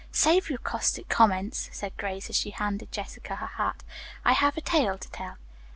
"Save your caustic comments," said Grace as she handed Jessica her hat. "I have a tale to tell."